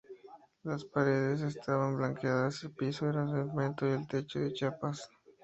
Las paredes estaban blanqueadas, el piso era de cemento y el techo de chapas.